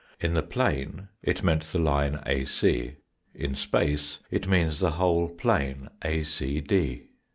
In the plane it meant the line AC. In space it means the whole plane ACD.